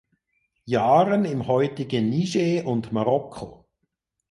Jahren im heutigen Niger und Marokko.